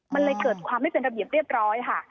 มันเลยเกิดความไม่เป็นระเบียบเรียบร้อยค่ะ